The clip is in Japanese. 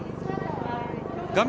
画面